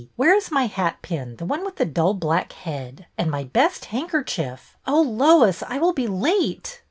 Where is my hatpin, the one with the dull black head? And my best handkerchief? Oh, Lois, I will be late